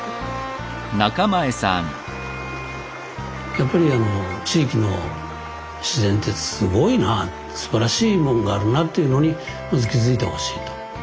やっぱりあの地域の自然ってすごいなすばらしいもんがあるなっていうのにまず気付いてほしいと。